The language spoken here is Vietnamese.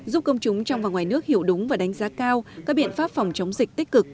giúp công chúng trong và ngoài nước hiểu đúng và đánh giá cao các biện pháp phòng chống dịch tích cực